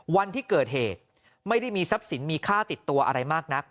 วันที่เกิดเหตุไม่ได้มีทรัพย์สินมีค่าติดตัวอะไรมากนัก